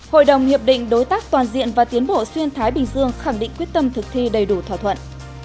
hội đồng hiệp định đối tác toàn diện và tiến bộ xuyên thái bình dương khẳng định quyết tâm thực thi đầy đủ thỏa thuận